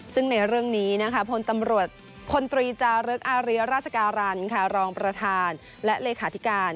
ซึ่งในเรื่องนี้นะคะพลตำรวจคนตรีจารึกอาริยราชการันรองประธานและเลขาธิการ